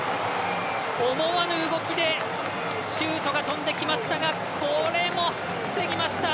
思わぬ動きでシュートが飛んできましたがこれも防ぎました。